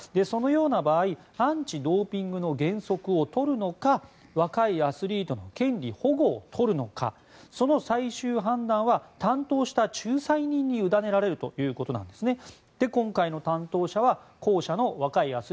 そのような場合アンチドーピングの原則を取るのか若いアスリートの権利保護を取るのかその最終判断は担当した仲裁人にゆだねられるということなんですね。